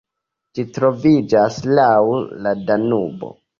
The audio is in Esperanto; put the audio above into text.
Ĝi troviĝas laŭ la Danubo.